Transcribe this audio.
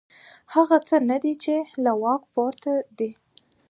هغه څه نه دي چې له واک پورته دي.